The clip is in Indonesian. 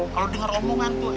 kalo denger omongan tuh